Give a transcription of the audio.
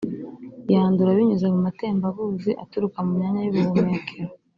Yandura binyuze mu matembabuzi aturuka mu myanya y’ubuhumekero.